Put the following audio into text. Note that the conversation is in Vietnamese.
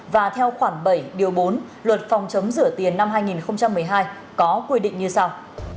và theo khoản bảy điều bốn luật phòng chống rửa tiền năm hai nghìn một mươi hai có quy định như sau